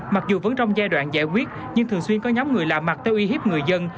mặc dù vẫn trong giai đoạn giải quyết nhưng thường xuyên có nhóm người lạ mặt theo uy hiếp người dân